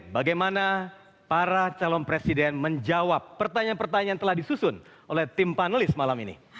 bagaimana para calon presiden menjawab pertanyaan pertanyaan telah disusun oleh tim panelis malam ini